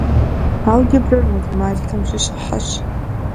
Алгебрэр математикэм щыщ ӏыхьэщ.